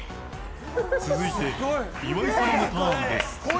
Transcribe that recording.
続いて、岩井様のターンです。